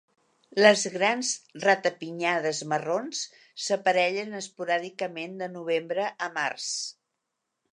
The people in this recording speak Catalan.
Les grans ratapinyades marrons s'aparellen esporàdicament de novembre a març.